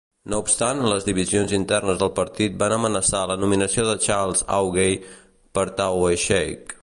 No obstant, les divisions internes del partit van amenaçar la nominació de Charles Haughey per Taoiseach.